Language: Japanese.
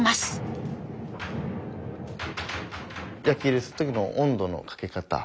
焼き入れする時の温度のかけ方